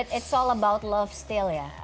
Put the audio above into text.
tapi itu semua tentang cinta ya